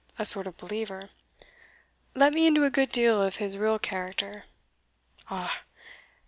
a sort of believer) let me into a good deal of his real character. Ah!